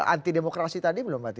anti demokrasi tadi belum mbak titi